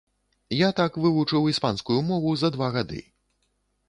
Я так вывучыў іспанскую мову за два гады.